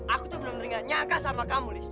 aku tuh bener bener gak nyangka sama kamu